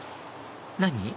何？